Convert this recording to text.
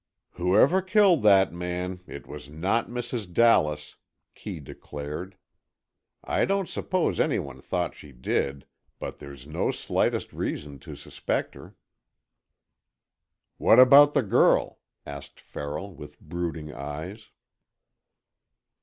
"Whoever killed that man, it was not Mrs. Dallas," Kee declared. "I don't suppose anybody thought she did, but there's no slightest reason to suspect her." "What about the girl?" asked Farrell, with brooding eyes.